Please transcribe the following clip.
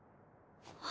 あ！